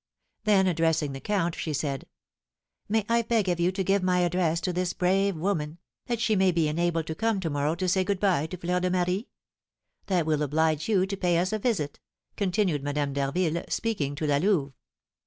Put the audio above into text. Then, addressing the count, she said, "May I beg of you to give my address to this brave woman, that she may be enabled to come to morrow to say good bye to Fleur de Marie? That will oblige you to pay us a visit," continued Madame d'Harville, speaking to La Louve.